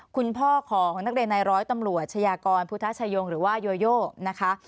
คุณพ่อของนักเรียนในร้อยตำรวจชายากรพุทธชายงหรือว่าโยโยนะคะ